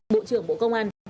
bộ trưởng bộ công an